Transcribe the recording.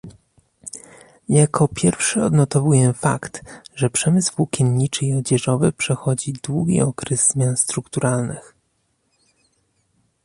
Jako pierwszy odnotowuję fakt, że przemysł włókienniczy i odzieżowy przechodzi długi okres zmian strukturalnych